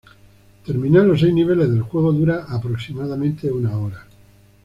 Terminar los seis niveles del juego dura aproximadamente una hora.